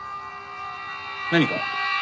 何か？